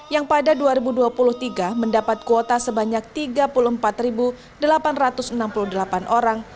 yang pada dua ribu dua puluh tiga mendapat kuota sebanyak tiga puluh empat delapan ratus enam puluh delapan orang